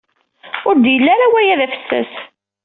Ur d-yelli ara waya d afessas.